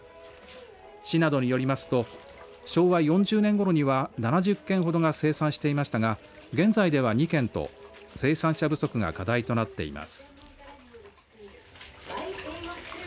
市などによりますと昭和４０年ごろには７０軒ほどが生産していましたが現在では２軒と生産者不足が課題となっています。